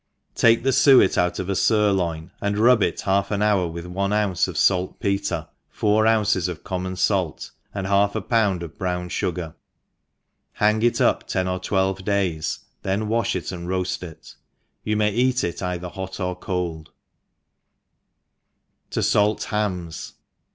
^AKE the fuet out of a fiirloin, and rub it half an hour with one ounce t)f falt*petre^ four ounces of common falt^ and half a pound of brown fugar, hang it tip ten or twelve days, then walh it, and road it; you may eat it either hot 'or cold. i %o6 THE EXPERIENCED To Jolt Hams.